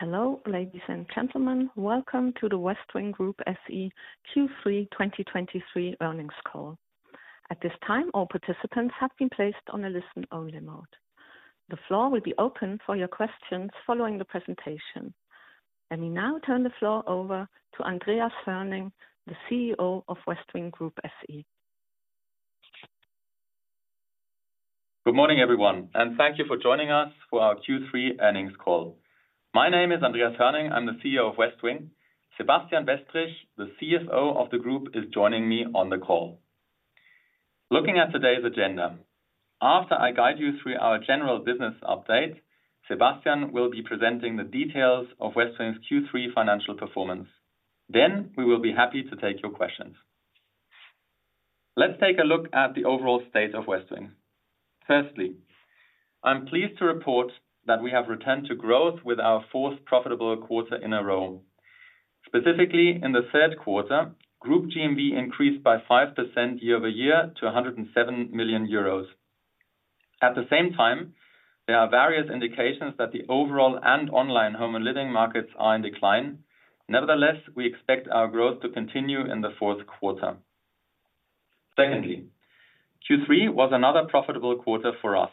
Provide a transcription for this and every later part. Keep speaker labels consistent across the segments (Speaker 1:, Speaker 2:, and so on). Speaker 1: Hello, ladies and gentlemen. Welcome to the Westwing Group SE Q3 2023 Earnings Call. At this time, all participants have been placed on a listen-only mode. The floor will be open for your questions following the presentation. Let me now turn the floor over to Andreas Hoerning, the CEO of Westwing Group SE.
Speaker 2: Good morning, everyone, and thank you for joining us for our Q3 earnings call. My name is Andreas Hoerning, I'm the CEO of Westwing. Sebastian Westrich, the CFO of the group, is joining me on the call. Looking at today's agenda, after I guide you through our general business update, Sebastian will be presenting the details of Westwing's Q3 financial performance. Then, we will be happy to take your questions. Let's take a look at the overall state of Westwing. Firstly, I'm pleased to report that we have returned to growth with our fourth profitable quarter in a row. Specifically, in the third quarter, group GMV increased by 5% year-over-year to 107 million euros. At the same time, there are various indications that the overall and online home and living markets are in decline. Nevertheless, we expect our growth to continue in the fourth quarter. Secondly, Q3 was another profitable quarter for us.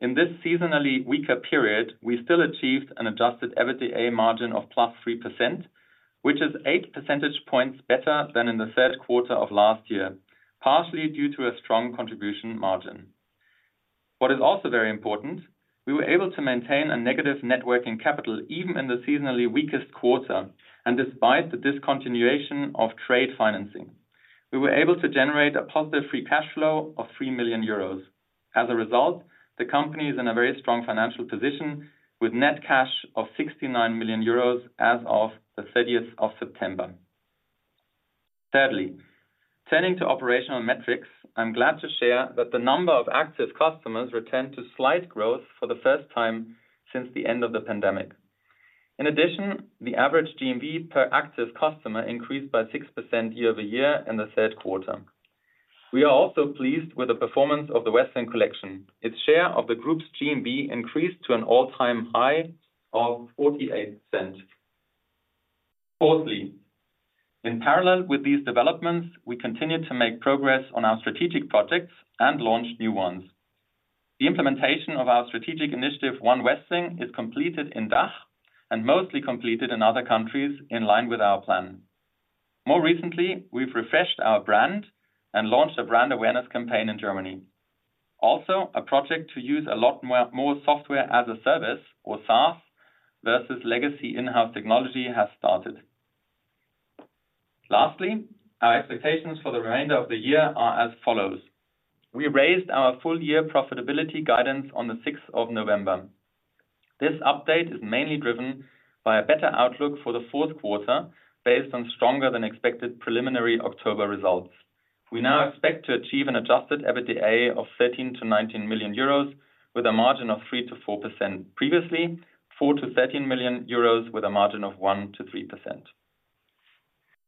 Speaker 2: In this seasonally weaker period, we still achieved an adjusted EBITDA margin of +3%, which is 8 percentage points better than in the third quarter of last year, partially due to a strong contribution margin. What is also very important, we were able to maintain a negative net working capital even in the seasonally weakest quarter, and despite the discontinuation of trade financing. We were able to generate a positive free cash flow of 3 million euros. As a result, the company is in a very strong financial position with net cash of 69 million euros as of the 30th of September. Thirdly, turning to operational metrics, I'm glad to share that the number of active customers returned to slight growth for the first time since the end of the pandemic. In addition, the average GMV per active customer increased by 6% year-over-year in the third quarter. We are also pleased with the performance of the Westwing Collection. Its share of the group's GMV increased to an all-time high of 48%. Fourthly, in parallel with these developments, we continued to make progress on our strategic projects and launched new ones. The implementation of our strategic initiative, One Westwing, is completed in DACH and mostly completed in other countries in line with our plan. More recently, we've refreshed our brand and launched a brand awareness campaign in Germany. Also, a project to use a lot more, more software as a service or SaaS, versus legacy in-house technology has started. Lastly, our expectations for the remainder of the year are as follows: We raised our full-year profitability guidance on the 6th of November. This update is mainly driven by a better outlook for the fourth quarter, based on stronger than expected preliminary October results. We now expect to achieve an adjusted EBITDA of 13 million-19 million euros, with a margin of 3%-4%, previously, 4 million-13 million euros with a margin of 1%-3%.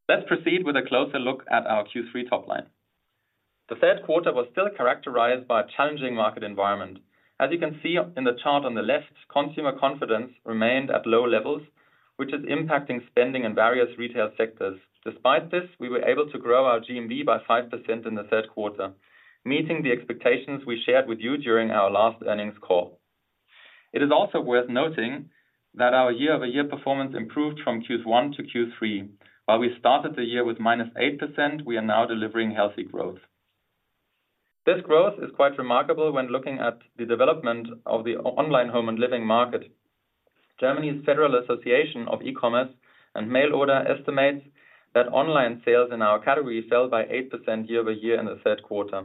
Speaker 2: Let's proceed with a closer look at our Q3 top line. The third quarter was still characterized by a challenging market environment. As you can see in the chart on the left, consumer confidence remained at low levels, which is impacting spending in various retail sectors. Despite this, we were able to grow our GMV by 5% in the third quarter, meeting the expectations we shared with you during our last earnings call. It is also worth noting that our year-over-year performance improved from Q1 to Q3. While we started the year with -8%, we are now delivering healthy growth. This growth is quite remarkable when looking at the development of the online home and living market. Germany's Federal Association of E-commerce and Mail Order estimates that online sales in our category fell by 8% year-over-year in the third quarter.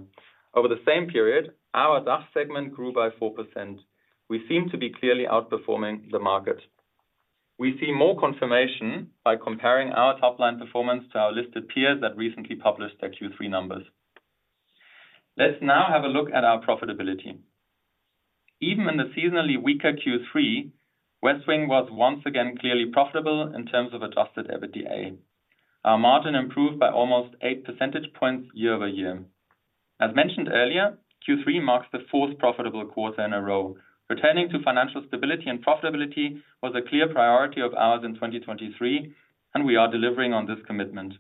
Speaker 2: Over the same period, our DACH segment grew by 4%. We seem to be clearly outperforming the market. We see more confirmation by comparing our top-line performance to our listed peers that recently published their Q3 numbers. Let's now have a look at our profitability. Even in the seasonally weaker Q3, Westwing was once again clearly profitable in terms of adjusted EBITDA. Our margin improved by almost 8 percentage points year over year. As mentioned earlier, Q3 marks the fourth profitable quarter in a row. Returning to financial stability and profitability was a clear priority of ours in 2023, and we are delivering on this commitment.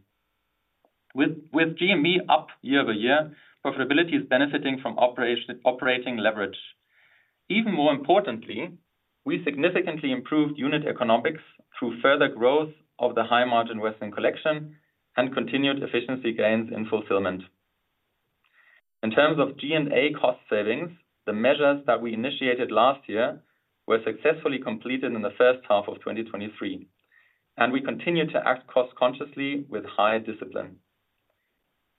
Speaker 2: With GMV up year over year, profitability is benefiting from operating leverage. Even more importantly, we significantly improved unit economics through further growth of the high-margin Westwing Collection and continued efficiency gains in fulfillment. In terms of G&A cost savings, the measures that we initiated last year were successfully completed in the first half of 2023, and we continue to act cost-consciously with high discipline.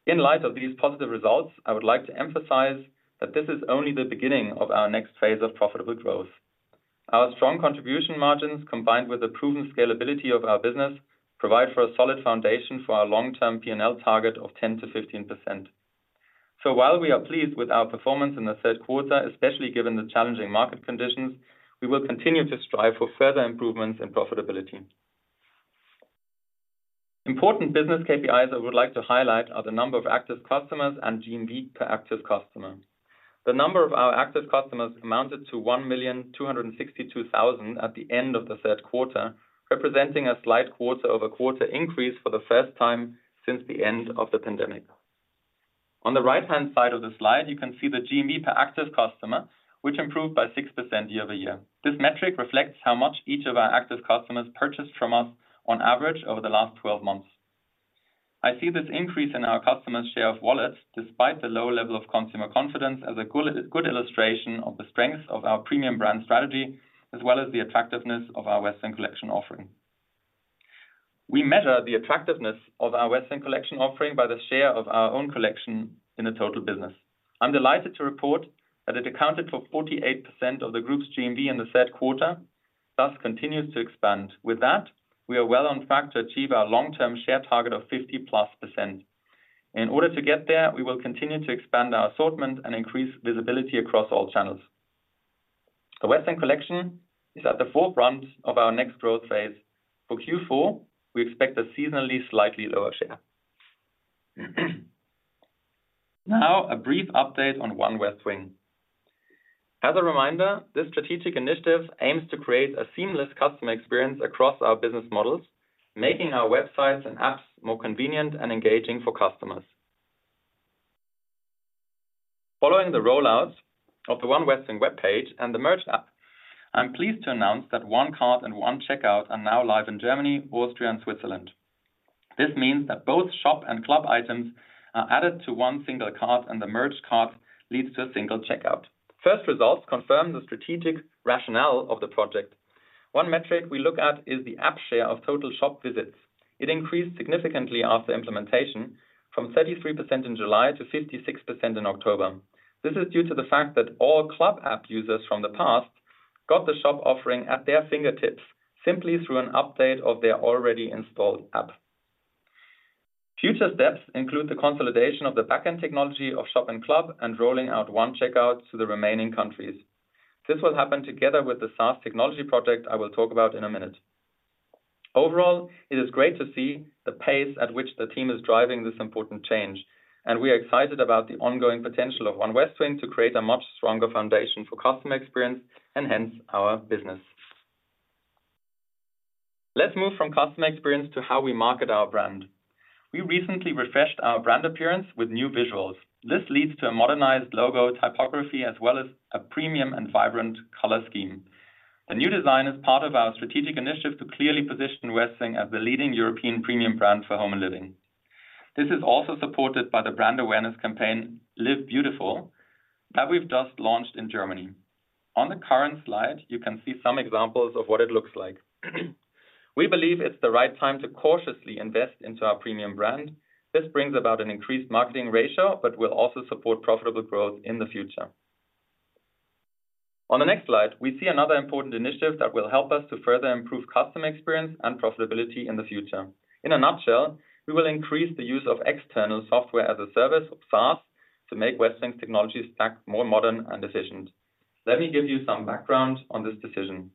Speaker 2: In light of these positive results, I would like to emphasize that this is only the beginning of our next phase of profitable growth. Our strong contribution margins, combined with the proven scalability of our business, provide for a solid foundation for our long-term P&L target of 10%-15%. So while we are pleased with our performance in the third quarter, especially given the challenging market conditions, we will continue to strive for further improvements in profitability. Important business KPIs I would like to highlight are the number of active customers and GMV per active customer. The number of our active customers amounted to 1,262,000 at the end of the third quarter, representing a slight quarter-over-quarter increase for the first time since the end of the pandemic. On the right-hand side of the slide, you can see the GMV per active customer, which improved by 6% year-over-year. This metric reflects how much each of our active customers purchased from us on average over the last 12 months. I see this increase in our customers' share of wallets, despite the low level of consumer confidence, as a good, good illustration of the strength of our premium brand strategy, as well as the attractiveness of our Westwing Collection offering. We measure the attractiveness of our Westwing Collection offering by the share of our own collection in the total business. I'm delighted to report that it accounted for 48% of the group's GMV in the third quarter, thus continues to expand. With that, we are well on track to achieve our long-term share target of +50%. In order to get there, we will continue to expand our assortment and increase visibility across all channels. The Westwing Collection is at the forefront of our next growth phase. For Q4, we expect a seasonally slightly lower share. Now, a brief update on One Westwing. As a reminder, this strategic initiative aims to create a seamless customer experience across our business models, making our websites and apps more convenient and engaging for customers. Following the rollout of the One Westwing webpage and the merged app, I'm pleased to announce that One Cart and One Checkout are now live in Germany, Austria, and Switzerland. This means that both shop and club items are added to one single cart, and the merged cart leads to a single checkout. First results confirm the strategic rationale of the project. One metric we look at is the app share of total shop visits. It increased significantly after implementation, from 33% in July to 56% in October. This is due to the fact that all club app users from the past got the shop offering at their fingertips, simply through an update of their already installed app. Future steps include the consolidation of the back-end technology of shop and club and rolling out One Checkout to the remaining countries. This will happen together with the SaaS technology project I will talk about in a minute. Overall, it is great to see the pace at which the team is driving this important change, and we are excited about the ongoing potential of One Westwing to create a much stronger foundation for customer experience and hence, our business. Let's move from customer experience to how we market our brand. We recently refreshed our brand appearance with new visuals. This leads to a modernized logo, typography, as well as a premium and vibrant color scheme. The new design is part of our strategic initiative to clearly position Westwing as the leading European premium brand for home and living. This is also supported by the brand awareness campaign, Live Beautiful, that we've just launched in Germany. On the current slide, you can see some examples of what it looks like. We believe it's the right time to cautiously invest into our premium brand. This brings about an increased marketing ratio, but will also support profitable growth in the future. On the next slide, we see another important initiative that will help us to further improve customer experience and profitability in the future. In a nutshell, we will increase the use of external software as a service, or SaaS, to make Westwing's technology stack more modern and efficient. Let me give you some background on this decision.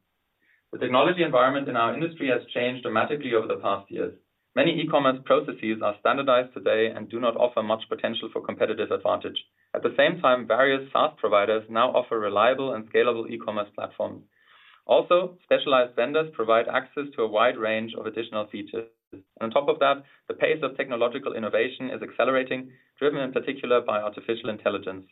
Speaker 2: The technology environment in our industry has changed dramatically over the past years. Many e-commerce processes are standardized today and do not offer much potential for competitive advantage. At the same time, various SaaS providers now offer reliable and scalable e-commerce platform. Also, specialized vendors provide access to a wide range of additional features. On top of that, the pace of technological innovation is accelerating, driven in particular by artificial intelligence.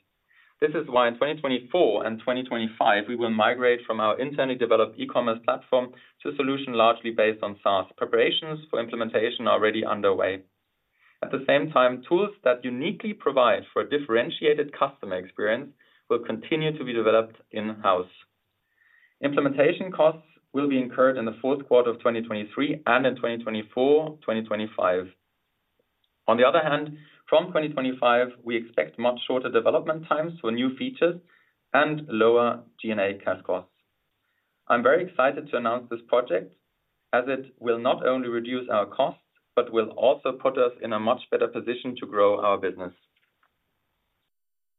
Speaker 2: This is why in 2024 and 2025, we will migrate from our internally developed e-commerce platform to a solution largely based on SaaS. Preparations for implementation are already underway. At the same time, tools that uniquely provide for a differentiated customer experience will continue to be developed in-house. Implementation costs will be incurred in the fourth quarter of 2023 and in 2024, 2025. On the other hand, from 2025, we expect much shorter development times for new features and lower G&A cash costs. I'm very excited to announce this project, as it will not only reduce our costs, but will also put us in a much better position to grow our business.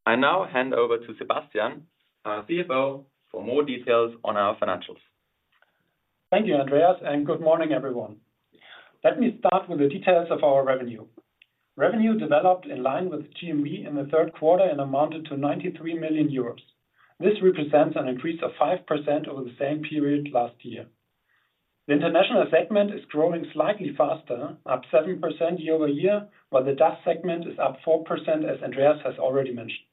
Speaker 2: I now hand over to Sebastian, our CFO, for more details on our financials.
Speaker 3: Thank you, Andreas, and good morning, everyone. Let me start with the details of our revenue. Revenue developed in line with GMV in the third quarter and amounted to 93 million euros. This represents an increase of 5% over the same period last year. The international segment is growing slightly faster, up 7% year-over-year, while the DACH segment is up 4%, as Andreas has already mentioned.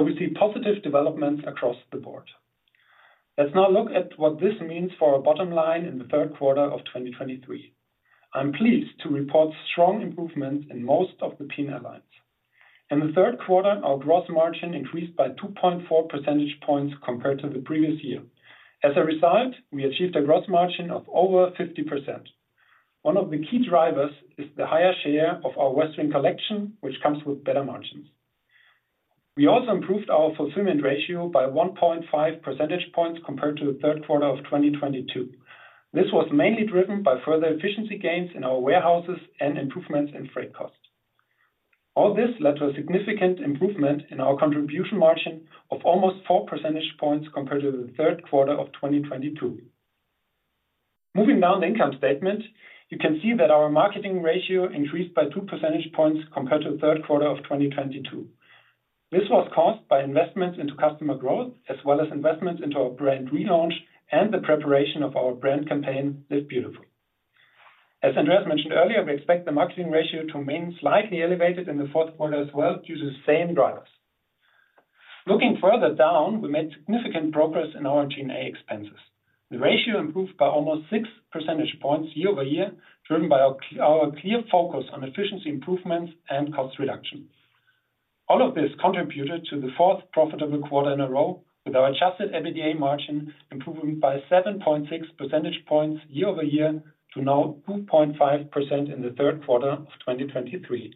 Speaker 3: We see positive developments across the board. Let's now look at what this means for our bottom line in the third quarter of 2023. I'm pleased to report strong improvement in most of the P&L lines. In the third quarter, our gross margin increased by 2.4 percentage points compared to the previous year. As a result, we achieved a gross margin of over 50%. One of the key drivers is the higher share of our Westwing Collection, which comes with better margins. We also improved our fulfillment ratio by 1.5 percentage points compared to the third quarter of 2022. This was mainly driven by further efficiency gains in our warehouses and improvements in freight costs. All this led to a significant improvement in our contribution margin of almost 4 percentage points compared to the third quarter of 2022. Moving down the income statement, you can see that our marketing ratio increased by 2 percentage points compared to the third quarter of 2022. This was caused by investments into customer growth, as well as investments into our brand relaunch and the preparation of our brand campaign, Live Beautiful. As Andreas mentioned earlier, we expect the marketing ratio to remain slightly elevated in the fourth quarter as well, due to the same drivers. Looking further down, we made significant progress in our G&A expenses. The ratio improved by almost 6 percentage points year-over-year, driven by our clear focus on efficiency improvements and cost reduction. All of this contributed to the fourth profitable quarter in a row, with our adjusted EBITDA margin improving by 7.6 percentage points year-over-year to now 2.5% in the third quarter of 2023.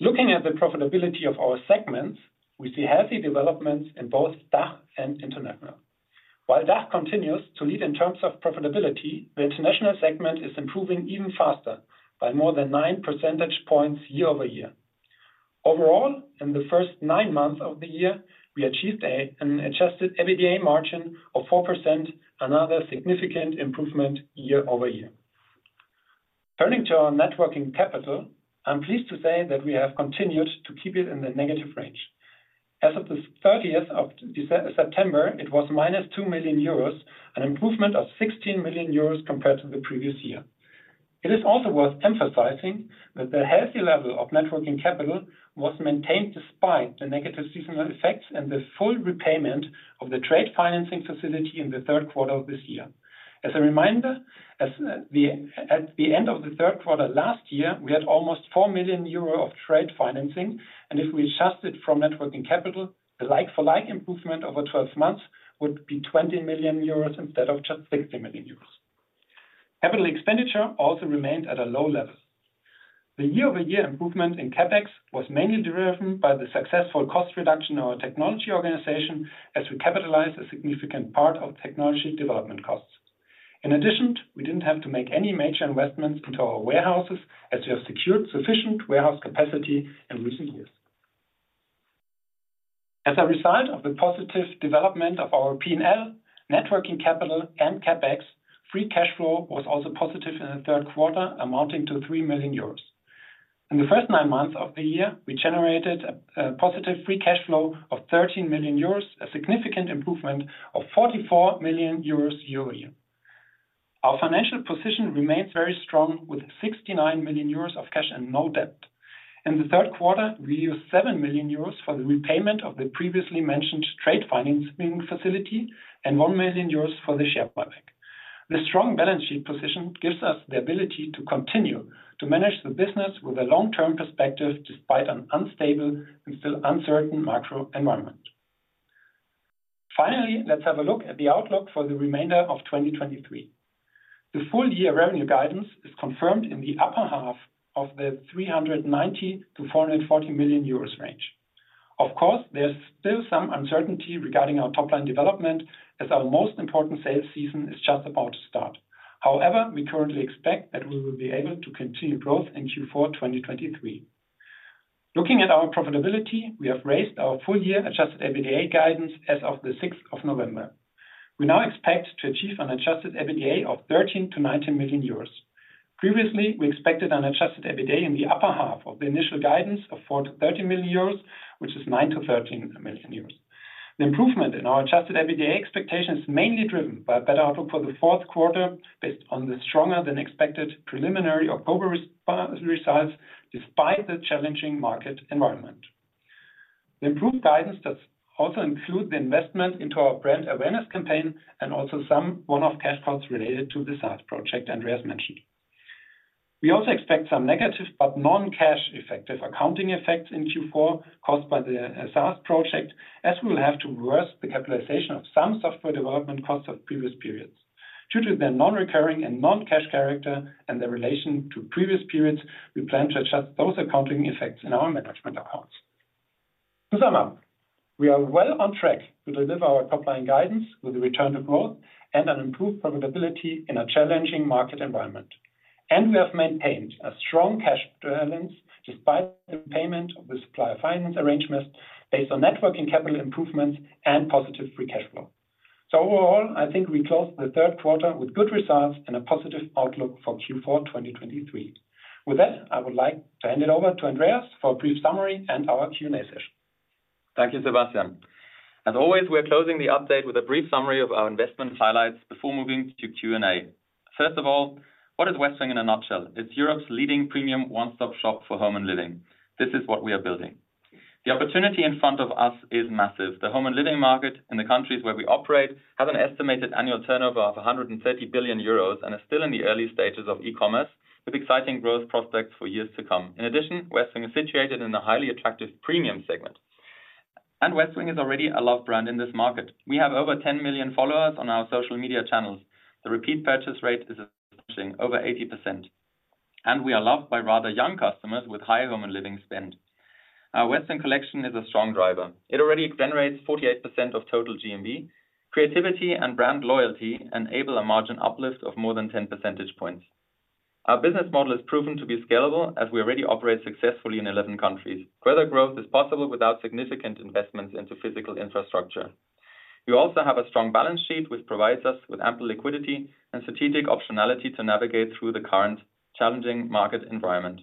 Speaker 3: Looking at the profitability of our segments, we see healthy developments in both DACH and international. While DACH continues to lead in terms of profitability, the international segment is improving even faster by more than 9 percentage points year-over-year. Overall, in the first nine months of the year, we achieved an adjusted EBITDA margin of 4%, another significant improvement year-over-year. Turning to our Net Working Capital, I'm pleased to say that we have continued to keep it in the negative range. As of the 30th of September, it was minus 2 million euros, an improvement of 16 million euros compared to the previous year. It is also worth emphasizing that the healthy level of Net Working Capital was maintained despite the negative seasonal effects and the full repayment of the trade financing facility in the third quarter of this year. As a reminder, at the end of the third quarter last year, we had almost 4 million euro of trade financing, and if we adjust it from net working capital, the like-for-like improvement over 12 months would be 20 million euros instead of just 16 million euros. Capital expenditure also remained at a low level. The year-over-year improvement in CapEx was mainly driven by the successful cost reduction of our technology organization, as we capitalized a significant part of technology development costs. In addition, we didn't have to make any major investments into our warehouses, as we have secured sufficient warehouse capacity in recent years. As a result of the positive development of our P&L, net working capital and CapEx, free cash flow was also positive in the third quarter, amounting to 3 million euros. In the first nine months of the year, we generated a positive free cash flow of 13 million euros, a significant improvement of 44 million euros year-over-year. Our financial position remains very strong, with 69 million euros of cash and no debt. In the third quarter, we used 7 million euros for the repayment of the previously mentioned trade financing facility and 1 million euros for the share buyback. This strong balance sheet position gives us the ability to continue to manage the business with a long-term perspective, despite an unstable and still uncertain macro environment. Finally, let's have a look at the outlook for the remainder of 2023. The full-year revenue guidance is confirmed in the upper half of the 390 million-440 million euros range. Of course, there's still some uncertainty regarding our top-line development, as our most important sales season is just about to start. However, we currently expect that we will be able to continue growth in Q4 2023. Looking at our profitability, we have raised our full-year adjusted EBITDA guidance as of the sixth of November. We now expect to achieve an adjusted EBITDA of 13 million-19 million euros. Previously, we expected an adjusted EBITDA in the upper half of the initial guidance of 4 million-13 million euros, which is 9 million-13 million euros. The improvement in our adjusted EBITDA expectation is mainly driven by a better outlook for the fourth quarter, based on the stronger-than-expected preliminary October results, despite the challenging market environment. The improved guidance does also include the investment into our brand awareness campaign and also some one-off cash flows related to the SaaS project Andreas mentioned. We also expect some negative but non-cash effective accounting effects in Q4, caused by the SaaS project, as we will have to reverse the capitalization of some software development costs of previous periods. Due to their non-recurring and non-cash character and their relation to previous periods, we plan to adjust those accounting effects in our management accounts. To sum up, we are well on track to deliver our top-line guidance with a return to growth and an improved profitability in a challenging market environment. And we have maintained a strong cash balance despite the payment of the supplier finance arrangement, based on net working capital improvements and positive free cash flow. So overall, I think we closed the third quarter with good results and a positive outlook for Q4, 2023. With that, I would like to hand it over to Andreas for a brief summary and our Q&A session.
Speaker 2: Thank you, Sebastian. As always, we are closing the update with a brief summary of our investment highlights before moving to Q&A. First of all, what is Westwing in a nutshell? It's Europe's leading premium one-stop shop for home and living. This is what we are building. The opportunity in front of us is massive. The home and living market in the countries where we operate have an estimated annual turnover of 130 billion euros and are still in the early stages of e-commerce, with exciting growth prospects for years to come. In addition, Westwing is situated in a highly attractive premium segment, and Westwing is already a loved brand in this market. We have over 10 million followers on our social media channels. The repeat purchase rate is approaching over 80%, and we are loved by rather young customers with high home and living spend. Our Westwing Collection is a strong driver. It already generates 48% of total GMV. Creativity and brand loyalty enable a margin uplift of more than 10 percentage points. Our business model is proven to be scalable as we already operate successfully in 11 countries. Further growth is possible without significant investments into physical infrastructure. We also have a strong balance sheet, which provides us with ample liquidity and strategic optionality to navigate through the current challenging market environment.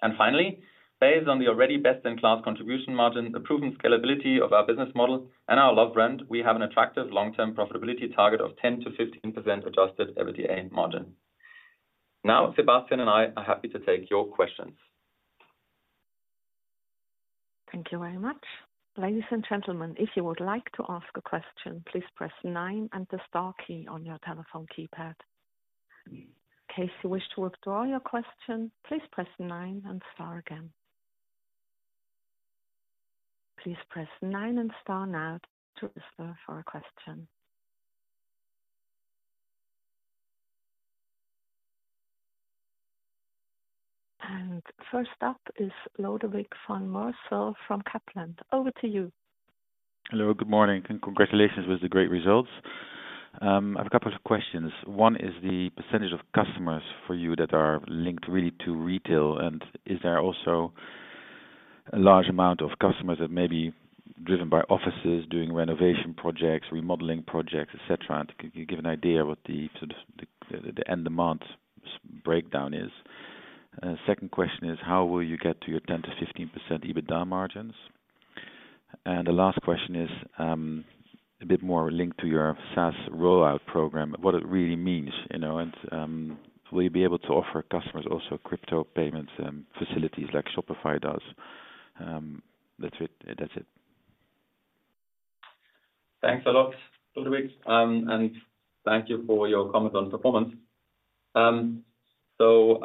Speaker 2: And finally, based on the already best-in-class contribution margin, the proven scalability of our business model and our love brand, we have an attractive long-term profitability target of 10%-15% adjusted EBITDA margin. Now, Sebastian and I are happy to take your questions.
Speaker 1: Thank you very much. Ladies and gentlemen, if you would like to ask a question, please press nine and the star key on your telephone keypad. In case you wish to withdraw your question, please press nine and star again. Please press nine and star now to ask for a question. First up is Lodewijk Meulemeesterfrom Kepler. Over to you.
Speaker 4: Hello, good morning, and congratulations with the great results. I have a couple of questions. One is the percentage of customers for you that are linked really to retail, and is there also a large amount of customers that may be driven by offices doing renovation projects, remodeling projects, et cetera? Can you give an idea what the sort of end demand breakdown is? Second question is, how will you get to your 10%-15% EBITDA margins? And the last question is, a bit more linked to your SaaS rollout program, what it really means, you know, and, will you be able to offer customers also crypto payments and facilities like Shopify does? That's it. That's it.
Speaker 2: Thanks a lot, Lodewijk, and thank you for your comments on performance. So,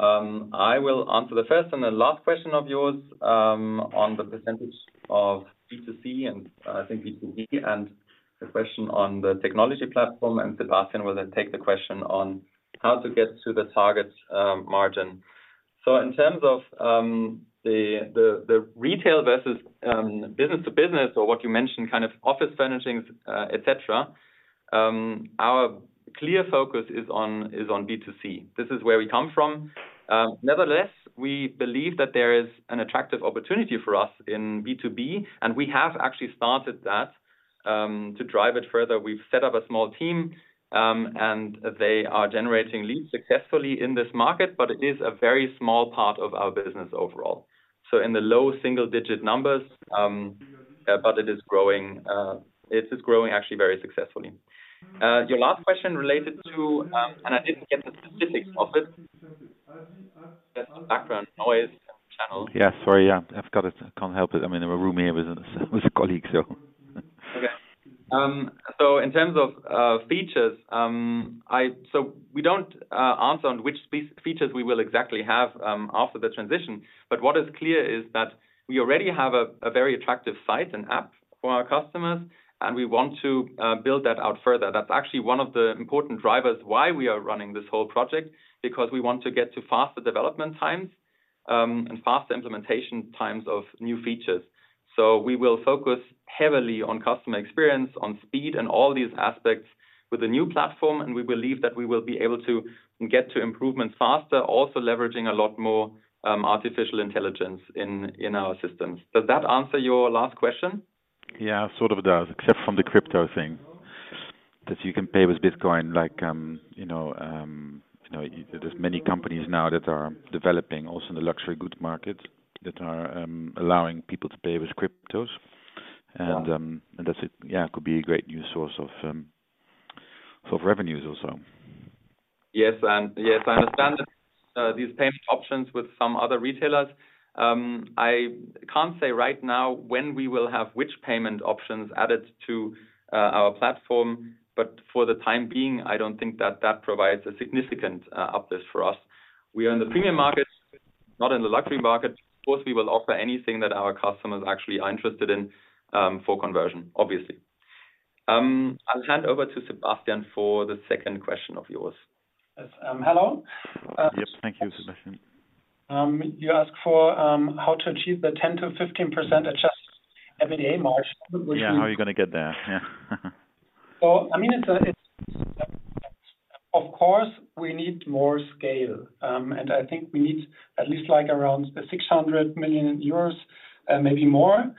Speaker 2: I will answer the first and the last question of yours, on the percentage of B2C and, I think B2B, and the question on the technology platform, and Sebastian will then take the question on how to get to the target, margin. So in terms of, the retail versus, business to business, or what you mentioned, kind of office furnishings, et cetera, our clear focus is on, is on B2C. This is where we come from. Nevertheless, we believe that there is an attractive opportunity for us in B2B, and we have actually started that. To drive it further, we've set up a small team, and they are generating leads successfully in this market, but it is a very small part of our business overall. So in the low single-digit numbers, but it is growing, it is growing actually very successfully. Your last question related to, and I didn't get the specifics of it. Just background, noise, channel.
Speaker 4: Yeah, sorry. Yeah, I've got it. I can't help it. I'm in a room here with, with a colleague, so,
Speaker 2: Okay. So in terms of features, we don't answer on which features we will exactly have after the transition, but what is clear is that we already have a very attractive site and app for our customers, and we want to build that out further. That's actually one of the important drivers why we are running this whole project, because we want to get to faster development times and faster implementation times of new features. So we will focus heavily on customer experience, on speed, and all these aspects with a new platform, and we believe that we will be able to get to improvements faster, also leveraging a lot more artificial intelligence in our systems. Does that answer your last question?
Speaker 4: Yeah, it sort of does, except from the crypto thing. That you can pay with Bitcoin, like, you know, you know, there's many companies now that are developing also in the luxury goods market, that are allowing people to pay with cryptos. That's it. Yeah, it could be a great new source of revenues also.
Speaker 2: Yes, and yes, I understand these payment options with some other retailers. I can't say right now when we will have which payment options added to our platform, but for the time being, I don't think that that provides a significant uplift for us. We are in the premium market, not in the luxury market. Of course, we will offer anything that our customers actually are interested in for conversion, obviously. I'll hand over to Sebastian for the second question of yours.
Speaker 3: Yes. Hello?
Speaker 4: Yes, thank you, Sebastian.
Speaker 3: You asked for how to achieve the 10%-15% adjusted EBITDA margin, which we--
Speaker 4: Yeah, how are you going to get there? Yeah.
Speaker 3: So I mean, it's. Of course, we need more scale, and I think we need at least, like, around 600 million euros and maybe more,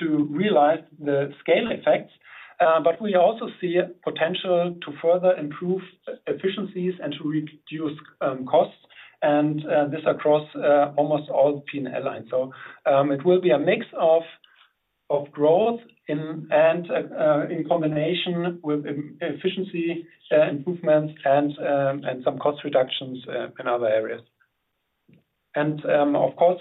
Speaker 3: to realize the scale effects. But we also see a potential to further improve efficiencies and to reduce costs, and this across almost all P&L lines. So, it will be a mix of growth in and in combination with efficiency improvements and some cost reductions in other areas. And, of course,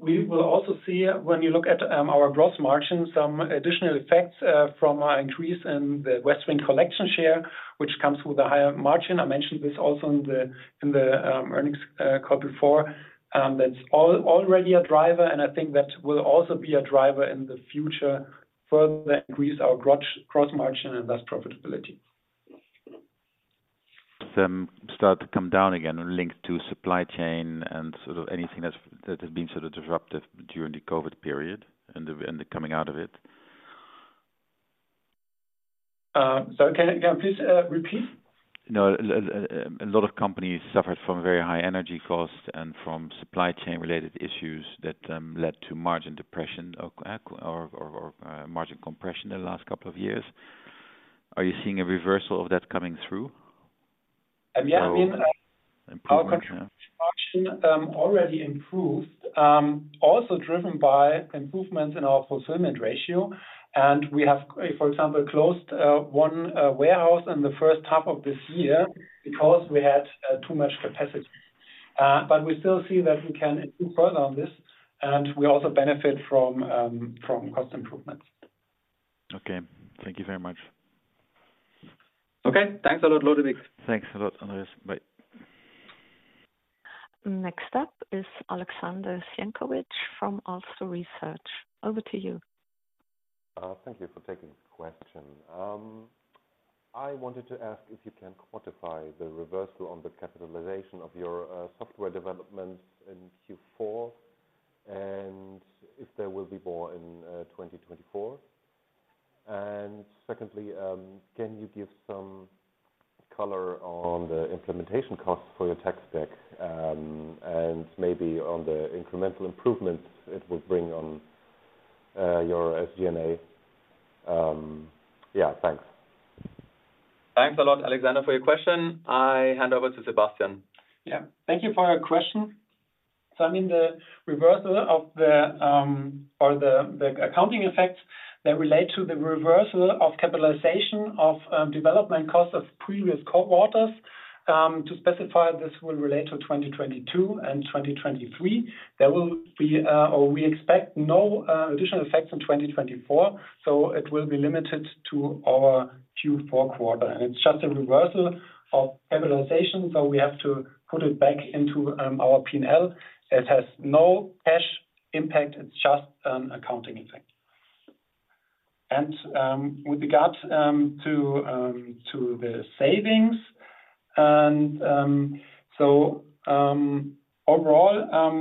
Speaker 3: we will also see, when you look at our growth margins, some additional effects from our increase in the Westwing Collection share, which comes with a higher margin. I mentioned this also in the earnings call before. That's already a driver, and I think that will also be a driver in the future, further increase our gross margin and thus profitability.
Speaker 4: Start to come down again and linked to supply chain and sort of anything that has been sort of disruptive during the COVID period and the coming out of it?
Speaker 2: Can you please repeat?
Speaker 4: No, a lot of companies suffered from very high energy costs and from supply chain related issues that led to margin depression or margin compression in the last couple of years. Are you seeing a reversal of that coming through?
Speaker 2: Yeah, I mean-
Speaker 4: Improvement, yeah.
Speaker 2: Our production already improved, also driven by improvements in our fulfillment ratio, and we have, for example, closed one warehouse in the first half of this year because we had too much capacity. But we still see that we can improve further on this, and we also benefit from cost improvements.
Speaker 4: Okay. Thank you very much.
Speaker 2: Okay. Thanks a lot, Lodewijk.
Speaker 4: Thanks a lot, Andreas. Bye.
Speaker 1: Next up is Alexander Zienkowicz from Alster Research. Over to you.
Speaker 5: Thank you for taking this question. I wanted to ask if you can quantify the reversal on the capitalization of your software developments in Q4, and if there will be more in 2024. And secondly, can you give some color on the implementation costs for your tech stack, and maybe on the incremental improvements it will bring on your SG&A? Yeah, thanks.
Speaker 2: Thanks a lot, Alexander, for your question. I hand over to Sebastian.
Speaker 3: Yeah. Thank you for your question. So I mean, the reversal of the, or the, the accounting effects that relate to the reversal of capitalization of, development costs of previous quarters, to specify, this will relate to 2022 and 2023. There will be, or we expect no, additional effects in 2024, so it will be limited to our Q4 quarter. And it's just a reversal of capitalization, so we have to put it back into, our P&L. It has no cash impact. It's just an accounting effect. And, with regards, to the savings, and, so, overall,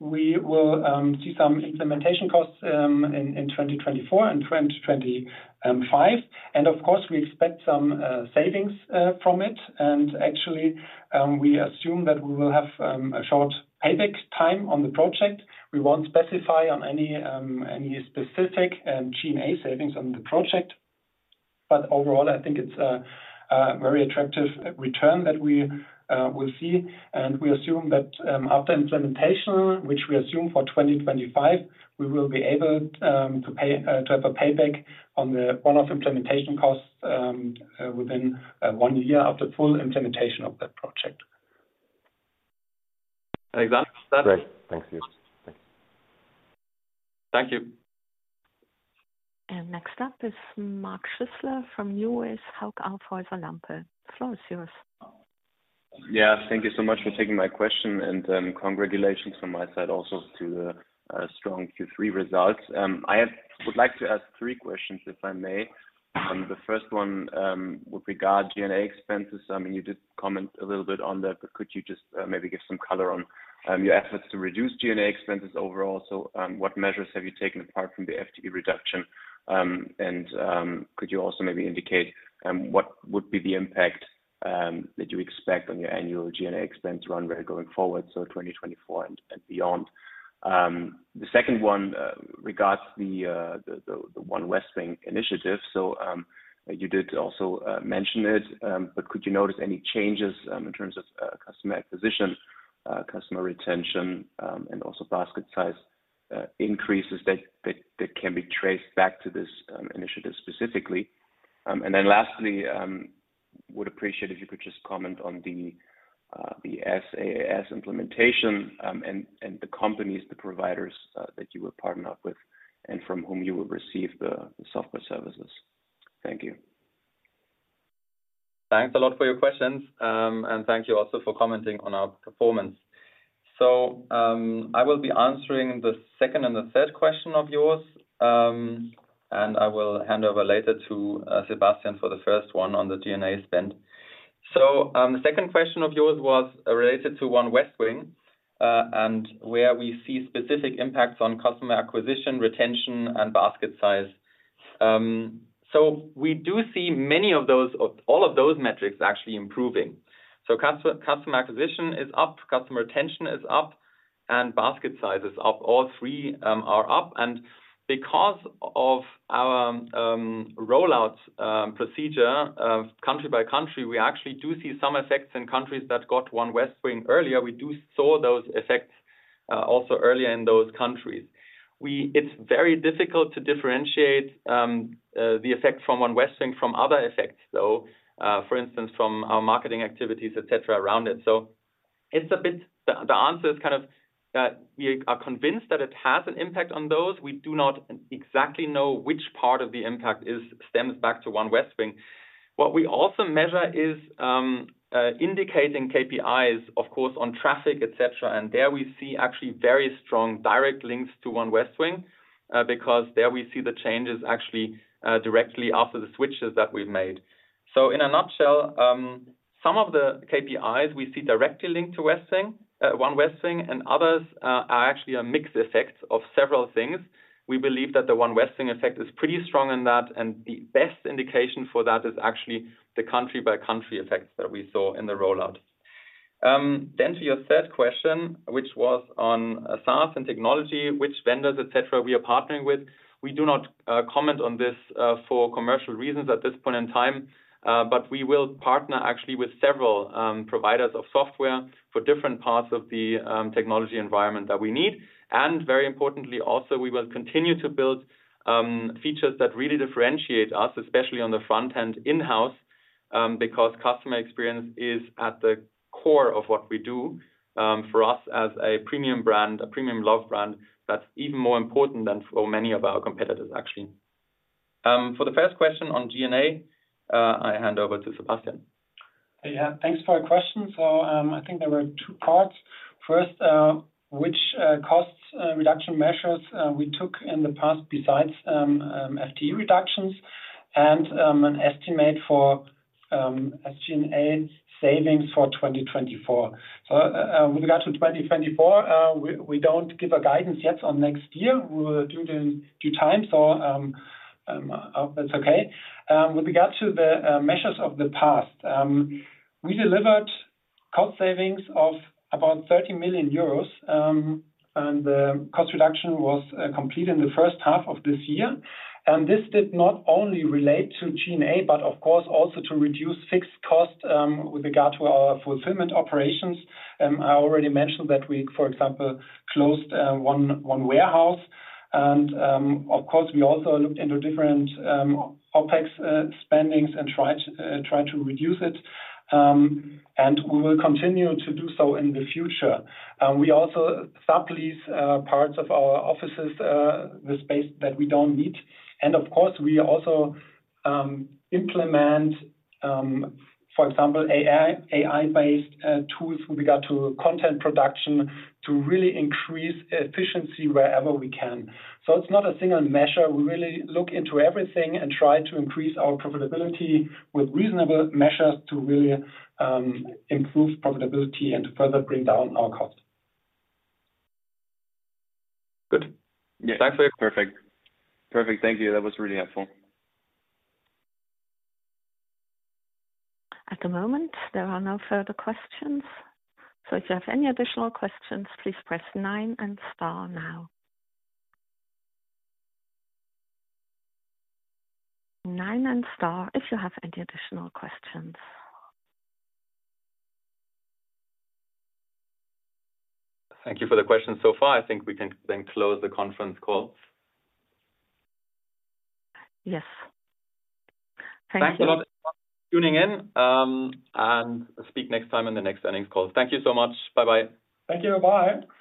Speaker 3: we will, see some implementation costs, in 2024 and 2025. And of course, we expect some, savings, from it. Actually, we assume that we will have a short payback time on the project. We won't specify on any specific G&A savings on the project, but overall, I think it's a very attractive return that we will see. We assume that after implementation, which we assume for 2025, we will be able to pay to have a payback on the one-off implementation costs within one year after full implementation of that project.
Speaker 2: Alexander.
Speaker 5: Great. Thank you. Thanks.
Speaker 2: Thank you.
Speaker 1: Next up is Mark Schüssler from Hauck Aufhäuser Lampe. The floor is yours.
Speaker 6: Yeah, thank you so much for taking my question, and, congratulations from my side also to the strong Q3 results. I would like to ask three questions, if I may. The first one, with regard G&A expenses, I mean, you did comment a little bit on that, but could you just maybe give some color on your efforts to reduce G&A expenses overall? So, what measures have you taken apart from the FTE reduction? And, could you also maybe indicate what would be the impact that you expect on your annual G&A expense runway going forward, so 2024 and beyond? The second one regards the One Westwing initiative. So, you did also mention it, but could you notice any changes in terms of customer acquisition, customer retention, and also basket size increases that can be traced back to this initiative specifically? And then lastly, would appreciate if you could just comment on the SaaS implementation, and the companies, the providers that you will partner up with and from whom you will receive the software services. Thank you.
Speaker 2: Thanks a lot for your questions, and thank you also for commenting on our performance. So, I will be answering the second and the third question of yours, and I will hand over later to Sebastian for the first one on the G&A spend. So, the second question of yours was related to One Westwing, and where we see specific impacts on customer acquisition, retention, and basket size. So, we do see all of those metrics actually improving. So, customer acquisition is up, customer retention is up, and basket size is up. All three are up, and because of our rollout procedure of country by country, we actually do see some effects in countries that got One Westwing earlier. We do saw those effects also earlier in those countries. It's very difficult to differentiate the effect from One Westwing from other effects, though, for instance, from our marketing activities, et cetera, around it. So it's a bit-- The answer is kind of that we are convinced that it has an impact on those. We do not exactly know which part of the impact stems back to One Westwing. What we also measure is indicating KPIs, of course, on traffic, et cetera. And there we see actually very strong direct links to One Westwing, because there we see the changes actually directly after the switches that we've made. So in a nutshell, some of the KPIs we see directly linked to Westwing, One Westwing and others are actually a mixed effect of several things. We believe that the One Westwing effect is pretty strong in that, and the best indication for that is actually the country-by-country effects that we saw in the rollout. Then to your third question, which was on SaaS and technology, which vendors, et cetera, we are partnering with. We do not comment on this for commercial reasons at this point in time, but we will partner actually with several providers of software for different parts of the technology environment that we need. And very importantly, also, we will continue to build features that really differentiate us, especially on the front-end in-house, because customer experience is at the core of what we do. For us as a premium brand, a premium love brand, that's even more important than for many of our competitors, actually. For the first question on G&A, I hand over to Sebastian.
Speaker 3: Yeah, thanks for your question. So, I think there were two parts. First, which costs reduction measures we took in the past besides FTE reductions and an estimate for G&A savings for 2024. So, with regard to 2024, we don't give a guidance yet on next year. We will do that in due time, so that's okay. With regard to the measures of the past, we delivered cost savings of about 30 million euros, and the cost reduction was complete in the first half of this year. And this did not only relate to G&A, but of course, also to reduce fixed costs with regard to our fulfillment operations. I already mentioned that we, for example, closed one warehouse and, of course, we also looked into different OpEx spendings and tried to reduce it. And we will continue to do so in the future. And we also sublease parts of our offices, the space that we don't need. And of course, we also implement, for example, AI, AI-based tools with regard to content production, to really increase efficiency wherever we can. So it's not a single measure. We really look into everything and try to increase our profitability with reasonable measures to really improve profitability and to further bring down our costs.
Speaker 2: Good.
Speaker 3: Yes.
Speaker 2: Thanks. Perfect. Perfect. Thank you. That was really helpful.
Speaker 1: At the moment, there are no further questions. So if you have any additional questions, please press nine and star now. Nine and star, if you have any additional questions.
Speaker 2: Thank you for the questions so far. I think we can then close the conference call.
Speaker 1: Yes. Thank you.
Speaker 2: Thanks a lot for tuning in, and speak next time in the next earnings call. Thank you so much. Bye-bye.
Speaker 3: Thank you. Bye.